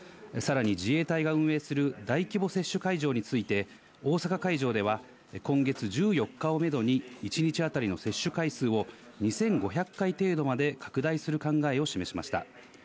さらに自衛隊が運営する大規模接種会場について大阪会場では今月１４日をめどに一日あたりの接種回数を２５００回程度まで拡大する考えを示しました。